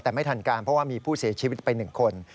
แต่ไม่ทันการเพราะว่ามีผู้เสียชีวิตไป๑คน